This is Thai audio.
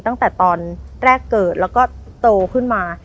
ตั้งแต่ตอนแรกเกิดแล้วก็โตขึ้นมา